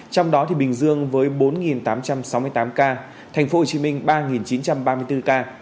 trong đó thì bình dương với bốn tám trăm sáu mươi tám ca thành phố hồ chí minh ba chín trăm ba mươi bốn ca